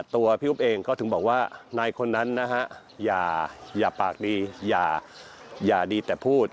ตัวพี่อุ๊บเองก็ถึงบอกว่านายคนนั้นนะฮะอย่าปากดีอย่าดีแต่พูด